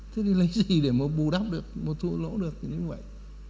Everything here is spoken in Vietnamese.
thế thì lấy gì để mà bù đắp được mà thua lỗ được như vậy